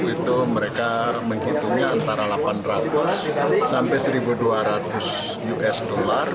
itu mereka menghitungnya antara delapan ratus sampai satu dua ratus usd